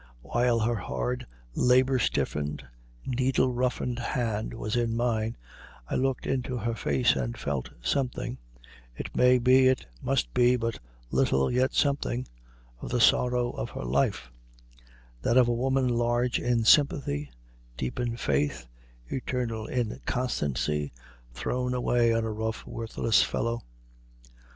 While her hard, labor stiffened, needle roughened hand was in mine, I looked into her face and felt something (it may be, it must be, but little, yet something) of the sorrow of her life; that of a woman large in sympathy, deep in faith, eternal in constancy, thrown away on a rough, worthless fellow.